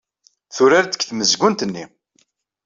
Turar-d deg tmezgunt-nni.